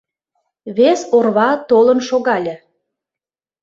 Вес орва толын шогале.